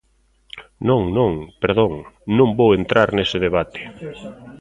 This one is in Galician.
Non, non, perdón, non vou entrar nese debate.